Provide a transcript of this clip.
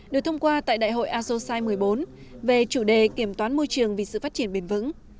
được thông qua tại đại hội asosai một mươi bốn về chủ đề kiểm toán môi trường vì sự phát triển bền vững